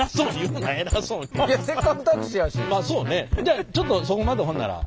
じゃあちょっとそこまでほんなら。